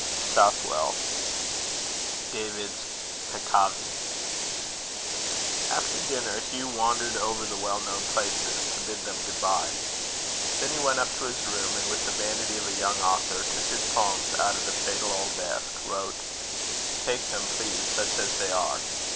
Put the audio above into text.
SOUTHWELL. David's Peccavi. After dinner, Hugh wandered over the well known places, to bid them good bye. Then he went up to his room, and, with the vanity of a young author, took his poems out of the fatal old desk; wrote: "Take them, please, such as they are.